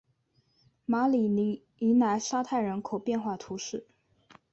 马里尼莱沙泰人口变化图示